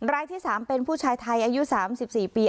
รายที่๓เป็นผู้ชายไทยอายุ๓๔ปี